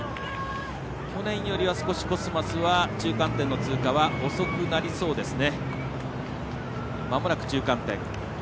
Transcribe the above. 去年よりは少しコスマスは中間点の通過遅くなりそうですね。